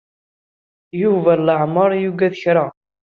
Yuba leɛmer yuggad kra.